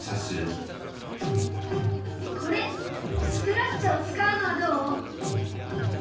これスクラッチを使うのはどう？